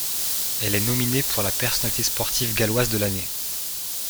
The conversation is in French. Elle est nominée pour la personnalité sportive galloise de l'année.